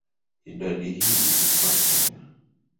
Idadi hii ilikua tena.